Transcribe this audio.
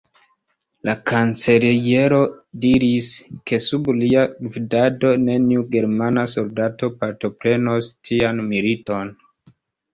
La kanceliero diris, ke sub lia gvidado neniu germana soldato partoprenos tian militon.